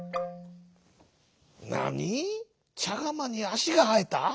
「なに？ちゃがまにあしがはえた？